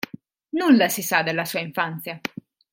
Nulla si sa della sua infanzia.